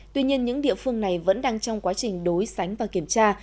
tuy nhiên những địa phương này vẫn đang trong quá trình đối sánh và kiểm tra